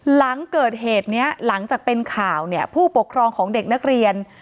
หลังเกิดเหตุนี้หลังจากเป็นข่าวเนี่ยผู้ปกครองของเด็กนักเรียน